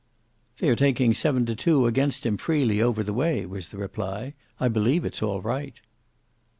"They are taking seven to two against him freely over the way," was the reply. "I believe it's all right."